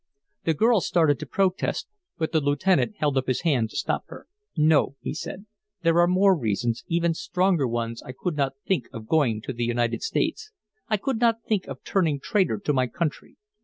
The girl started to protest, but the lieutenant held up his hand to stop her. "No," he said, "there are more reasons, even stronger ones, I could not think of going to the United States. I could not think of turning traitor to my country.